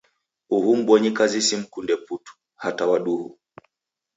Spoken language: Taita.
Uhu mbonyikazi simkunde putu, hata wa duhu!